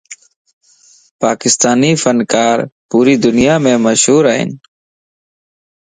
پاڪستاني فنڪارَ پوري دنيامَ مشھور ائين.